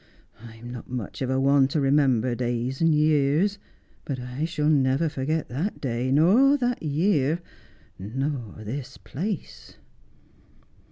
L'm not much of a one to remember days and years, but I shall never forget that day, nor that year, nor this place.'